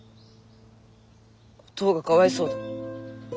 おとうがかわいそうだ。